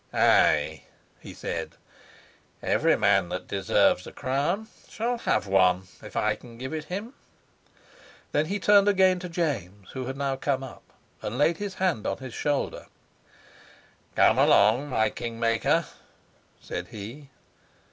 "Ay," he said, "every man that deserves a crown shall have one, if I can give it him." Then he turned again to James, who had now come up, and laid his hand on his shoulder. "Come along, my king maker," said he.